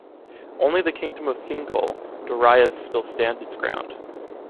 Only the Kingdom of Thingol, Doriath still stand its ground.